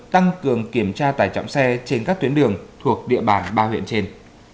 tăng cường kiểm tra tải trọng xe trên các tuyến đường thuộc địa bàn ba huyện trên